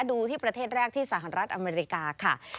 ดูที่ประเทศแรกที่สหรัฐอเมริกาค่ะ